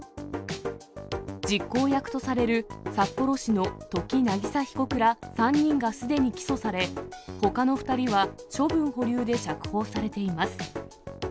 実行役とされる札幌市の土岐渚被告ら３人がすでに起訴され、ほかの２人は処分保留で釈放されています。